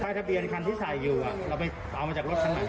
ทะเบียนคันที่ใส่อยู่เราไปเอามาจากรถคันไหน